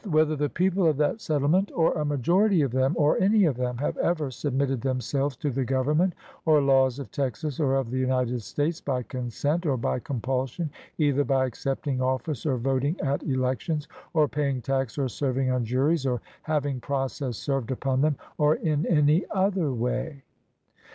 Whether the people of that settlement, or a 152 IN CONGRESS majority of them, or any of them, have ever submitted themselves to the government or laws of Texas or of the United States, by consent or by compulsion, either by accepting office, or voting at elections, or paying tax, or serving on juries, or having process served upon them, or in any other way.